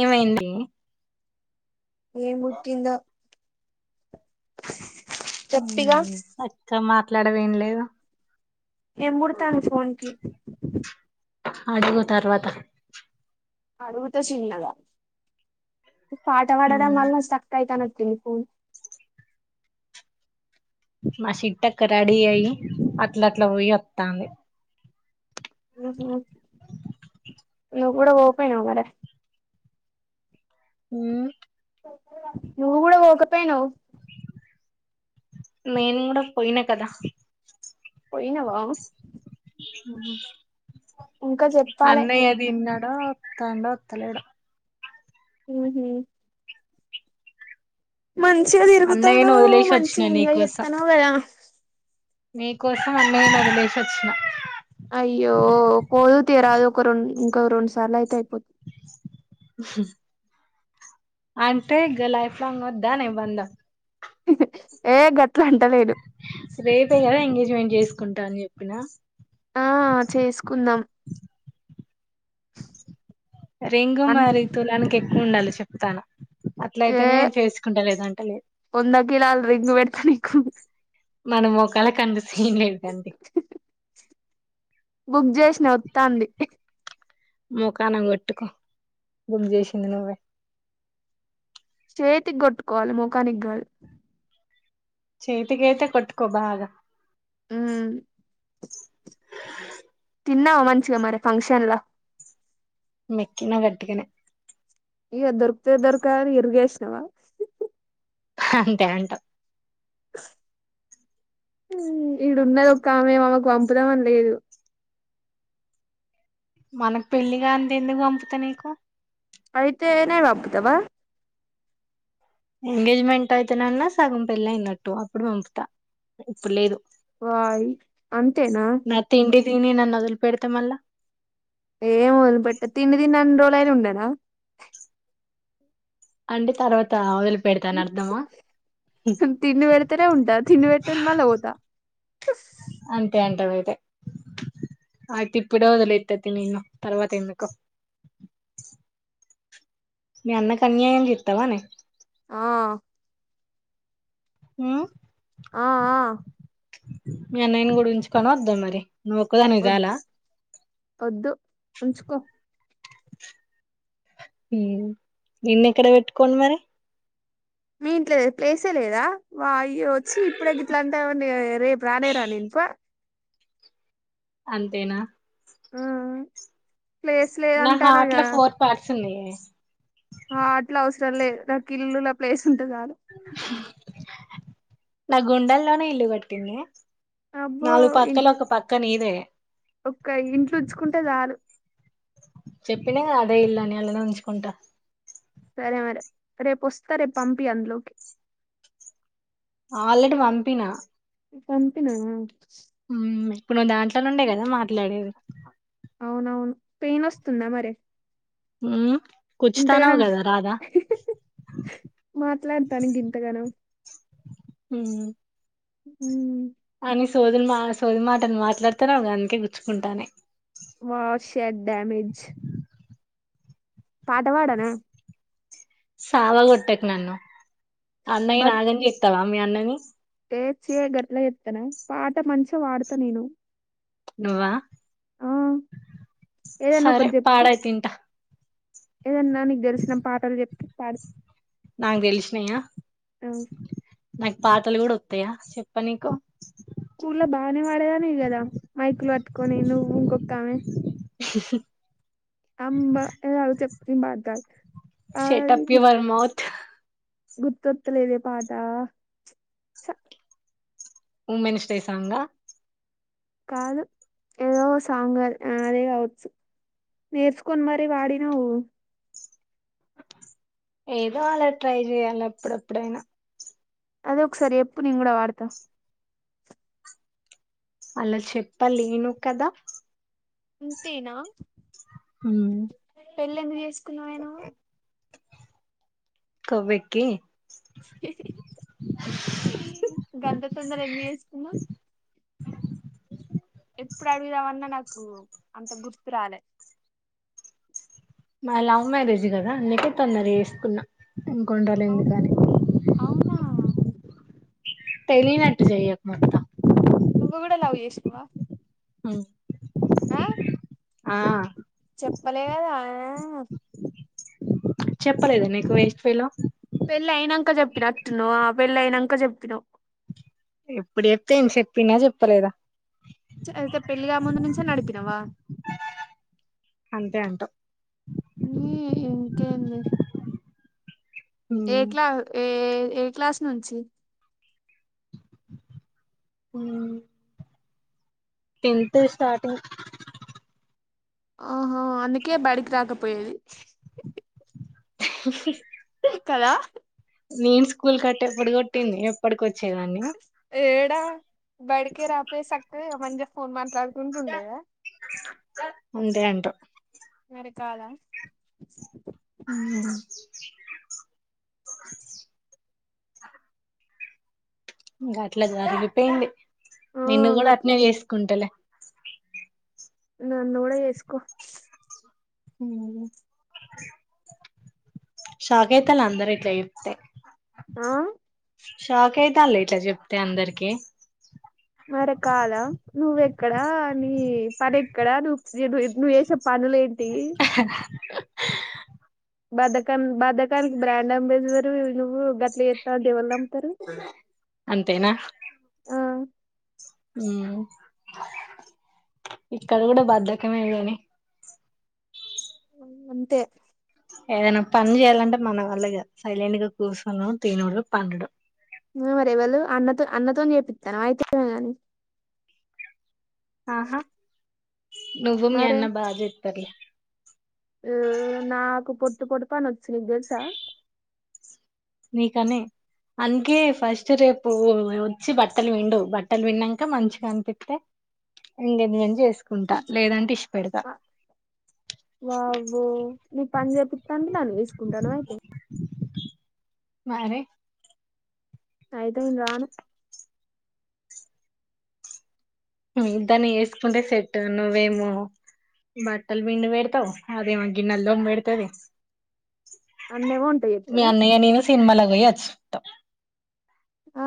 ఏమైంది ఏ ముట్టిందో చెప్పిగా అక్క మాట్లాడవ్ ఏం లేదు ఏం ముడుతాంది ఫోన్కి అడుగు తర్వాత అడుగుత చిన్నగా పాట పాడడం వళ్ల స్టక్ అయితన హున్హు మా చిట్టీ అక్క రెడీ అయి అట్ల అట్ల పోయి వత్తంది హున్హు నువ్ కూడ పోపోయినవ్ మరే హూ నువ్వు కూడా వోకపోయినవ్ నేను కూడా పోయినా కదా పోయినావా ఇంకా చెప్పాలే అన్నయ్య తిన్నాడో వత్తాండా వత్తలేడో ఉమ్మ్ మంచిగా అన్నయ్యను తిరుగుతాన్నవ్ వదిలేసి వచ్చిన మంచిగ ఎంజాయ్ చేతన్నావ్ కదా మీకోసం అన్నయని వొదిలేసి వోచిన తీయ రాదు ఒక రెండు ఇంక రెండు సార్లు అయితే అయిపోతది స అంటే ఇగ లైఫ్ లాంగ్ వద్దానేబంధం ఏ గట్ రేపే కదా ఎంగేజ్మెంట్ చేసుకుంటా అని చెప్పినా ఆ చేసుకుందాం రింగు అన్ మరి తులానికి ఎక్కువ ఉండాలి చెప్తాన్న ఏ అట్లయితేనే చేసుకుంటా లేదంటలేద్ వంద కిలాల రింగ్ పెడతా నీకు మన ముఖాలకి అంత సీన్ లేదు గానీ బుక్ చేసిన వత్తాంది ముఖాన కొట్టుకో బుక్ చేసింది నువ్వే చేతికి కొట్టుకోవాలి ముఖానిగాదు చతికైతే కొట్టుకో బాగా మ్మ్ తిన్నావ మంచిగా మరి ఫంక్షన్ లా మొక్కిన గట్టిగనే ఇగ దొర్కుతదో దొర్కదా అని ఇరేష్ణవా అంతే అంటా ఇడున్నది ఒక్కమే ఆమేకు పంపుదామని లేదు మనకు పెళ్లిగాంధి ఎందుకు పంపుతా నీకు అయితేనే పంపుతావా ఎంగేజ్మెంట్ అయితేనన్న సగం పెళ్లి అయినట్టు అప్పుడు పంపుతా ఇప్పుడు లేదు వాయ్ అంతేనా తి నన్న వొదలి పెడితే మళ్ళ ఏం వదిలిపెట్ట తిండి తిన్నన్ని రోజులైనా ఉండనా అంటే తర్వాత వదిలిపెడతని అర్ధమా తింది వేడితె నె ఉంటా తిండి వెట్టంది మల్ల పోత అంతే అంటావ్ అయితే ఆయితే ఇప్పుడే వదిలత్త తియి నిన్ను తర్వాత ఎందుకో మీ అన్నకి అన్యాయం జెత్తవానే ఆ ఉమ్ ఆ ఆ మీ అన్నయ్యని గుడ ఉంచుకొన వద్దా మరి నువు ఒక్కదానివే వద్ చాల వద్దు ఉంచుకో హ్మ్ నిన్నెక్కడ పెట్టుకోను మరి మీ ఇంట్లో ప్లేసే లేదా వాయ్యో చ్చి ఇప్పుడే గిట్లా అంటాన్నవు రేపు రానేరాను నేను పో అంతేనా ప్లేస్ నా లేదంటాన్నవు హార్ట్ గ లో ఫోర్ పార్ట్స్ ఉన్నాయే ఆ అట్ల చాలే నాకిలులా ప్లేస్ ఉంటె చాలు నా గుండెల్లోనే ఇల్లు కట్టిన్నే నాలుగు పక్కలు ఒక పక్క నీదే ఒక ఇంట్లో ఉంచుకుంటే చాలు పిలగా అదే ఇల్లుని అలానే ఉంచుకుంటా సరే మరి రేపు వస్తా రేపు పంపి అందులోకి ఆల్రెడీ పంపిన పంపినవా ఉమ్ ఇప్పుడు నువ్వు దాంట్లో నుండే కదా మాట్లాడేది అవునవును పెయిన్ వస్తుందా మరి ఉమ్ ఇంతగనం మాట్లాడతానికి ఇంతగనో హుమ్ హుమ్ అన్ని సోదునమా సోదు మా మాటని మాట్లాడతాన్నవు గ అందుకే గుచ్చుకుంటాన్నయి వా షాడ్ డామేజ్ పాట పాడన సావాగొట్టకు నన్ను అన్నయ్య బతుకుతే ఆగం చేతవా మీ అన్నని చే గట్లా పాట మంచిగా పడతా నేను నువ్వా ఆ ఏదన్నా సరే ఒకటి చెప్పు పాడయితె ఇంటా ఏదన్నా నీకు తెలిసిన పాటలు చెప్తే పాడు నాకు తెలిసినయ అ నాకు పాటలు కూడా వత్తాయా చెప్ప నీకు స్కూల్లో బానే పాడేదానివి గదా మైక్లు పట్టుకొని నువు ఇంకోక్కమే అమ్మ ఉ అవి చెప్పుకుని పడతారు షట్ అప్ యువర్ మౌత్ గుర్తొత్త లేదే పాట చ ఉమ్మెనిస్ట్రె సాంగ్ ఆ కాదు ఏదో సాంగ్ అద్ అదే కావచ్చు నేర్చుకొని మరి పాడినవ్ ఏదో అలా ట్రై చెయాలి అప్పుడప్పుడైనా అదే ఒకసారి చెప్పు నెను కూడ వాడతా అలా చెప్పలేను కదా ఇంతేనా పెళ్లి ఎందుకు చేస్కో కొవ్వెక్కి గంత తొందర ఎందుకు చేసుకున్నవ్ ఎప్పుడు అడుగుదామన్నా నాకు అంత గుర్తురాలే మా లవ్ మ్యారేజ్ కదా అందుకే తొందర చేసుకున్నా అవు ఇంకుండలేంది కానీ అవునా తెలీనట్టు చెయ్యకు మొత్తం నువ్వు కూడా లవ్ చేసినవా ఉమ్ ఆ ఆ చెప్పలే కదా ఆ చెప్పలేదా నీకు వేస్ట్ ఫెల్లో పెళ్ళి అయినంక చెప్పినట్టున్నవ్ ఆ పెళ్ళి అయినంక చెప్పినవ్ ఎప్పుడు చెప్తే ఏంది చెప్పిన్నా చెప్పలేదా అయితే పెళ్లి కాక ముందు నుంచే నడిపినవా అంతే అంటా మ్ ఇంకేం లే ఏ క్లా ఏ ఏ ఏ క్లాస్ నుంచి ఉమ్ టెన్త్ స్టార్టింగ్ ఆహా అందుకే బడికి రాక పోయేది కదా నేను స్కూల్ కట్టేప్పుడు కొట్టింది ఎప్పటికొ ఎడా బడికే రాపోవు సక్కగా మంచిగ ఫోన్ మట్లా ఉంటుండేదా అంతే అంట మరి కాదా మ్ గట్ల జరిగిపోయింది ఆ నిన్ను కూడా గట్లా అట్నే చేసుకుంటలే నన్ను కూడా చేస్కో ఊమ్ షాక్ అయితల్లు అందరిట్లచెప్తే ఆ షాక్ అయితాల్ల ఇట్లా చెప్తే అందరికి మరి కాదా నువ్వెక్కడ నీ పని ఎక్కడ నువ్వు వు నువ్వ చేసే పనులేంటి బద్దకన్ బద్దకానికి బ్రాండ్ అంబేసిడర్వి నువ్వు గట్ల చెప్తాంటె ఎవల్ నమ్ముతరు ఆ ఉమ్ ఇక్కడ కూడా బద్దకమేగని అంతే ఏదైనా పని చేయాలంటే మన వల్లగాద్ సైలెంట్ గా కూర్చునుడు తినుడు పండుడు మరి ఎవలు అన్నతో అన్నతోని చేపిస్తాన్నవ అయితేగాని ఆహా నువ్వు మీయన్నా బాగ చేత్తరు లే ఊమ్ నాకు పొట్టు పొట్టు పనొచ్చు నీకు తెలుసా నీకానే అందుకే ఫస్ట్ రేపు వచ్చి బట్టలుపిండు బట్టలు పిండినంక మంచిగా అనిపిత్తే ఎంగేజ్మెంట్ చేసుకుంటా లేదంటే ఇషి పెడతా వామ్మో నవ్ పని చేపిస్తాంటే నను తిసుకుంటనావా అయితే మరే అయితే నేన్ రాను దాన్ని ఎస్కుంటే సెట్ నువ్వేమో బట్టల్ పిండి పెడతావ్ అదేమో గిన్నెలు తోమి బేడతది అన్నేమో వంట మీ చేత్తడా అన్నయానేను సినిమాలా అచ్చిత్తం ఆ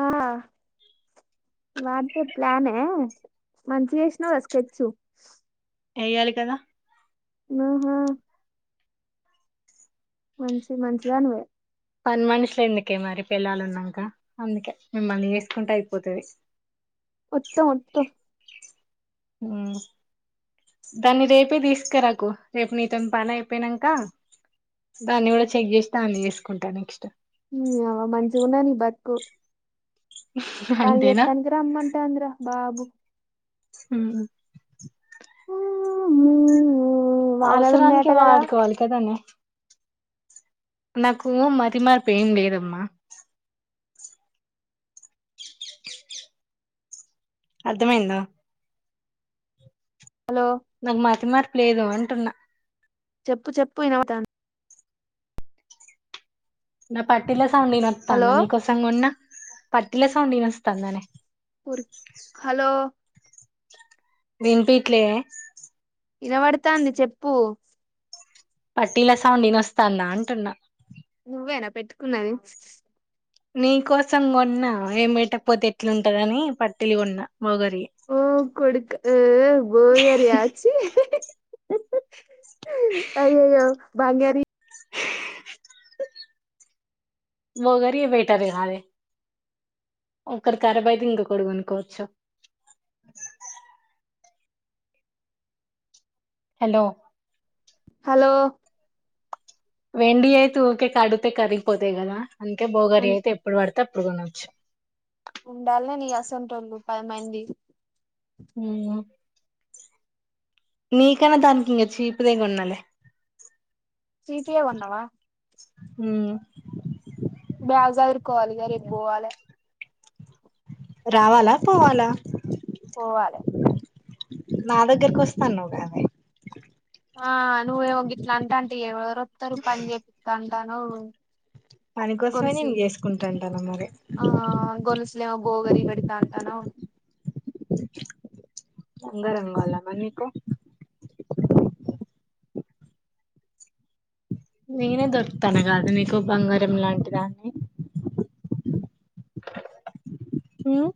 వాంటే ప్లాన్ ఎ మంచిగా చేసినావ్ గా స్కెచ్చు ఎయ్యాలి కదా అహా మంచి మంచిదానివే పని మనుషులు ఎందుకే మరి పెల్లలు ఉన్నాంక అందుకే మిమ్మల్ని చేసుకుంటే అయిపోతుది ఒత్తం ఒత్తం ఉమ్ దాన్ని రేపే తీసుకురాకు రేపు నీతోని పని అయిపోయినంక దాన్ని కూడా చెక్ చేసి దాన్ని చేసుకుంటా నెక్స్ట్ నిఅవ్వ మంచిగాన్నాద్ నీ బతుకు పనీ అంతేనా చేత్తనికి రమ్మంటంద్ర బాబు ఉహ్మ్ వానలు ఉన్నాయట అవసరానికె కదా వాడుకోవాలి కదానే నాకూ మతిమార్పు ఏం లేదమ్మా అర్థమైంద హలో నాకు మాతి మార్పు లేదు అంటున్నా చెప్పు చెప్పు ఇనవడుతంది నా పట్టీల సౌండ్ హలో ఇనత్తందా నీకోసం గొన్న పట్టిల సౌండ్ ఇనస్తాందనే హలో విన్పియట్లేదా ఇనబడతాంది చెప్పు పట్టీల సౌండ్ ఇనస్స్తాందా అంటున్నా నువ్వేనా పెట్టుకున్నాది నీ కోసం కొన్నా ఏం పేట్టకపోతే ఎట్లుంటందని పట్టీలు గొన్నా బోగారియే ఏ బో గారియా చి అయ్యయ్యో బంగారీ ఇ బోగర్ ఎ బెటార్ కదే ఒకట్ కరబయితే ఇంకొకటికొనుక్కోవచ్చు హలో హలో వెండి అయితే ఉకే కడితే కరిగిపోతాయి కదా అందుకె బోగరి అయితే ఎప్పుడు పడితే అప్పుడు కొన ఉండాలనే నియాసంటోలు పదిమంది ఉమ్ నీకాన్న దనికి ఇంగ చీప్ దే గొన్నలె చికియే కోన్నవా మ్ బ్యాగ్ సదరు కోవలె ఇగ రేప్ పోవాలె రావాలా పోవాలా పోవాలే నా దగ్గరకు వస్తా అన్నావ్ కదే ఆ నువేమో గిట్ల అంటంటే ఇగ ఎవరు ఓతారు పని చెప్తా అంటన్నావ్ పని కోసమే గోల్సు నేను చేసుకుంటాంటాను మరి ఆ గోల్సులేమో బోగా గిరిపెడ్తంటన్నావ్ ఉంగరం కావాలా మరి నీకు నేనే దొరుకుతాన్న కాదా నీకు బంగారం లాంటిదాన్ని హ్మ్